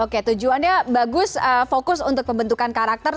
oke tujuannya bagus fokus untuk pembentukan karakter